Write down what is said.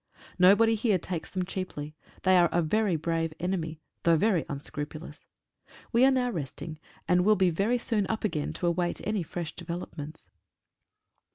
Nobody here takes them cheaply. They are a brave enemy, though very unscrupulous. We are now resting, and will be very soon up again to await any fresh develop ments.